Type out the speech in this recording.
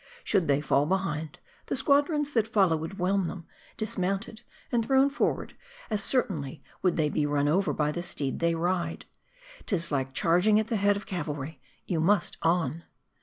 Should they fall behind, the squadrons that follow would whelm them ; dismounted, and thrown forward, as certainly would they be run over by the steed they ride. 'Tis like charging at the head of cavalry : you must on.